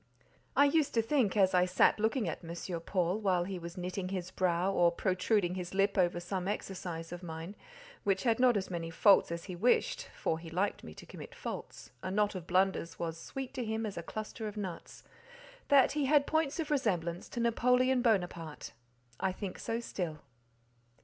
I used to think, as I sat looking at M. Paul, while he was knitting his brow or protruding his lip over some exercise of mine, which had not as many faults as he wished (for he liked me to commit faults: a knot of blunders was sweet to him as a cluster of nuts), that he had points of resemblance to Napoleon Bonaparte. I think so still.